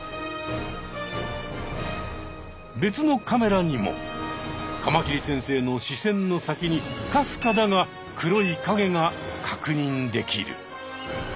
別のカメラにもカマキリ先生の視線の先にかすかだが黒い影が確認できる。